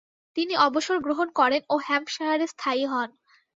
তিনি অবসর গ্রহণ করেন ও হ্যাম্পশায়ারে স্থায়ী হন।